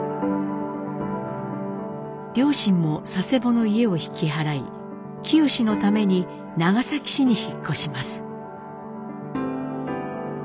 両親も佐世保の家を引き払い清のために長崎市に引っ越します。